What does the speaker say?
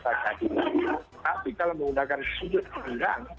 siapa kasihan atau k turnoutnya